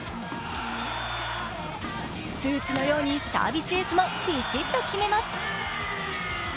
スーツのようにサービスエースもビシッと決めます。